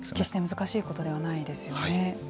決して難しいことではないですよね。